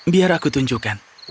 biar aku tunjukkan